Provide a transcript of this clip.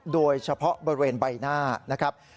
โดยเฉพาะบริเวณใบหน้านะครับ